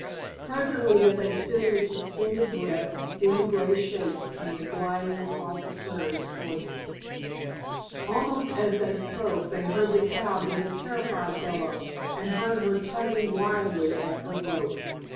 Presently as they stood with suspended breath dim grey shapes came gliding across the prairies toward them. Almost as he spoke they heard the cow give a terrified bellow, and heard her tugging wildly at her rope.